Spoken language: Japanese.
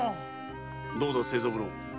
どうだ清三郎。